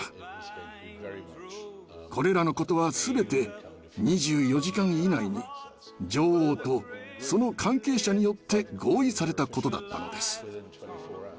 これらのことは全て２４時間以内に女王とその関係者によって合意されたことだったのです。